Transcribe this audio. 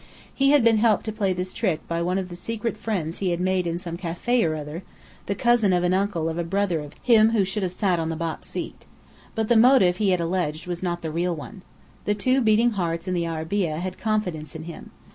He had been helped to play this trick by one of the secret friends he had made in some café or other, the cousin of an uncle of a brother of him who should have sat on the box seat. But the motive he had alleged was not the real one. The two beating hearts in the arabeah had confidence in him.